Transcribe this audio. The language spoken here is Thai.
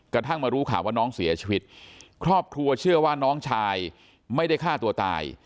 กระทั่งมารู้ข่าวว่าน้องเสียชีวิตครอบครัวเชื่อว่าน้องชายไม่ได้ฆ่าตัวตาย